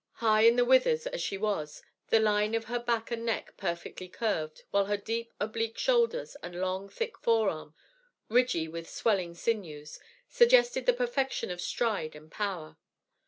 High in the withers as she was, the line of her back and neck perfectly curved, while her deep, oblique shoulders and long, thick forearm, ridgy with swelling sinews, suggested the perfection of stride and power.